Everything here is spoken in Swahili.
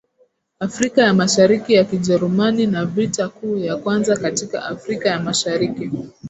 Afrika ya Mashariki ya Kijerumani na Vita Kuu ya Kwanza katika Afrika ya Mashariki